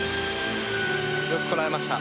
よくこらえました。